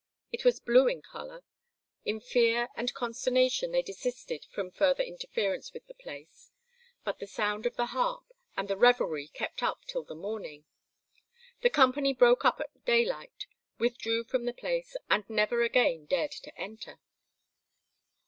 It was blue in colour. In fear and consternation they desisted from further interference with the place. But the sound of the harp and the revelry kept up till the morning. The company broke up at daylight, withdrew from the place, and never again dared to enter.